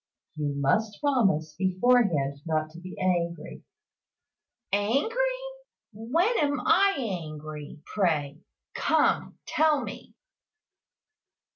"You must promise beforehand not to be angry." "Angry! When am I angry, pray? Come, tell me."